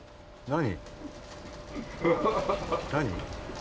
何？